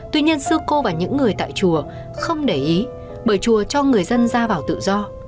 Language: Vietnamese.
tuy nhiên sư cô và những người tại chùa không để ý bởi chùa cho người dân ra vào tự do